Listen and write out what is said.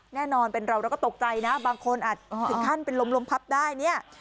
แน่นอนเป็นเราเราก็ตกใจนะบางคนอาจถึงขั้นเป็นลมลมพับได้เนี่ย